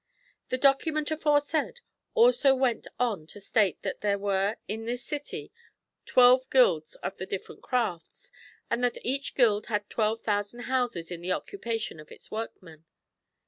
^] The document aforesaid also went on to state that there were in this city twelve guilds of the different crafts, and that each guild had 1 2,000 houses in the occupation of its workmen.